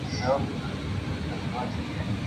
তুমি না বললে এখনো আমাকে চাও।